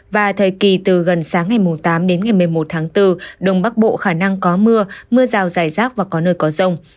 và thời kỳ từ gần sáng ngày tám đến ngày một mươi một tháng bốn đông bắc bộ khả năng có mưa mưa rào dài rác và có nơi có rông